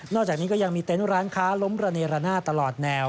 อกจากนี้ก็ยังมีเต็นต์ร้านค้าล้มระเนรนาตลอดแนว